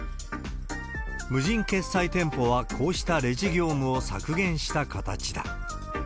無人決済店舗はこうしたレジ業務を削減した形だ。